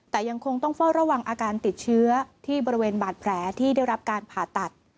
แต่ยังคงต้องเฝ้าระวังอาการติดเชื้อที่บริเวณบาดแผลที่ได้รับการผ่าตัด